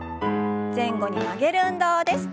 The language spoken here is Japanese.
前後に曲げる運動です。